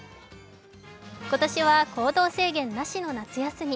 今年は行動制限なしの夏休み。